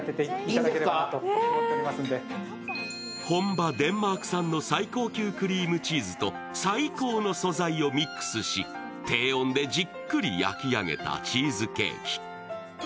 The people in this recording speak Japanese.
本場デンマーク産の最高級クリームチーズと最高の素材をミックスし、低温でじっくり焼き上げたチーズケーキ。